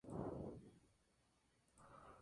Vivió durante en el período Triásico en Texas.